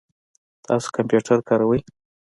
تاسو کمپیوټر کاروئ؟